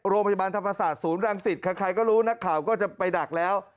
โรงพยาบาลธรรมศาสตร์ศูนย์รังสิตใครก็รู้นักข่าวก็จะไปดักแล้ว